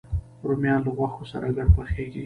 رومیان له غوښو سره ګډ پخېږي